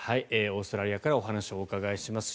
オーストラリアからお話をお伺いします。